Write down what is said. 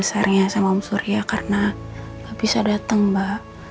terbesarnya sama om surya karena gak bisa dateng mbak